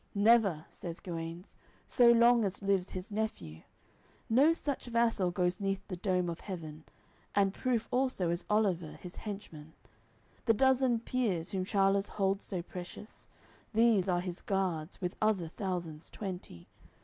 "Never," says Guenes, "so long as lives his nephew; No such vassal goes neath the dome of heaven; And proof also is Oliver his henchman; The dozen peers, whom Charl'es holds so precious, These are his guards, with other thousands twenty.